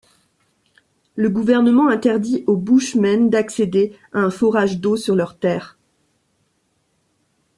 Le gouvernement interdit aux Bushmen d'accéder à un forage d'eau sur leurs terres.